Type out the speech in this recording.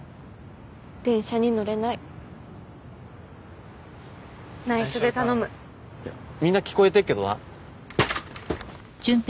電車に乗れないないしょで頼むみんな聞こえてっけどな